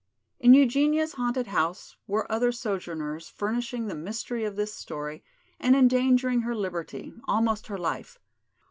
In Eugenia's haunted house were other sojourners furnishing the mystery of this story and endangering her liberty, almost her life.